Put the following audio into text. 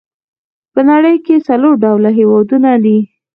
په نړۍ کې څلور ډوله هېوادونه دي.